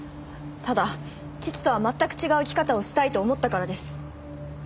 ただ父とは全く違う生き方をしたいと思ったからです。